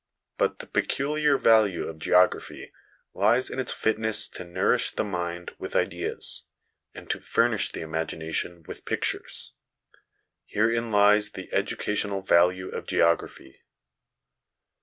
But the peculiar value of geography lies in its fitness to nourish the mind with ideas, and to furnish the imagination with pictures. Herein lies the educational value of geography.